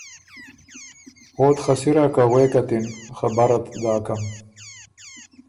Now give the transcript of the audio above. اوت خه سِرا که غوېکت اِن، خبرت داکم۔